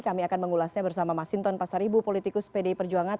kami akan mengulasnya bersama masinton pasaribu politikus pdi perjuangan